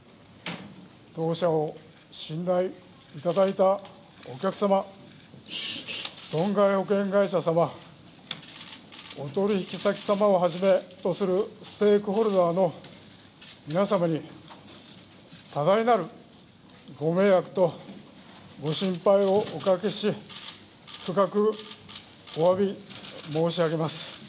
当社を信頼いただいたお客様損害保険会社様お取引様をはじめとするステークホルダーの皆様に多大なるご迷惑とご心配をおかけし深くおわび申し上げます。